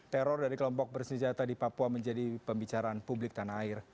teror dari kelompok bersenjata di papua menjadi pembicaraan publik tanah air